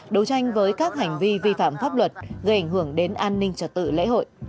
đấu tranh với các hành vi vi phạm pháp luật gây ảnh hưởng đến an ninh trật tự lễ hội